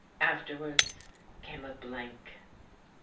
Afterwards came a blank.